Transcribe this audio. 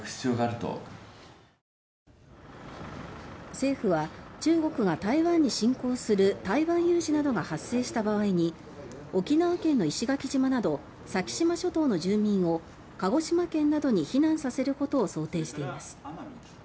政府は中国が台湾に侵攻する「台湾有事」などが発生した場合に沖縄県の石垣島など先島諸島の住民を鹿児島県などに避難させることを想定しています。